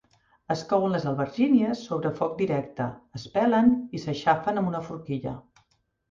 Es couen les albergínies sobre foc directe, es pelen i s'aixafen amb una forquilla.